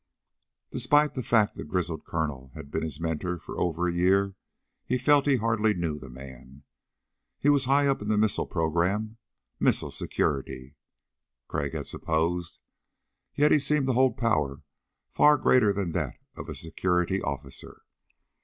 Despite the fact the grizzled Colonel had been his mentor for over a year he felt he hardly knew the man. He was high up in the missile program missile security, Crag had supposed yet he seemed to hold power far greater than that of a security officer.